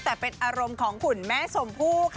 แต่เป็นอารมณ์ของคุณแม่ชมพู่ค่ะ